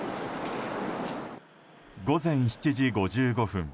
午前７時５５分